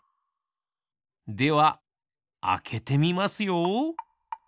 ではあけてみますよ。